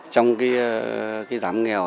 trong cái giám nghèo